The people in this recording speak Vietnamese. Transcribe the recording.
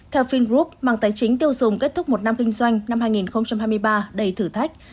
theo finroup mạng tài chính tiêu dùng kết thúc một năm kinh doanh năm hai nghìn hai mươi ba đầy thử thách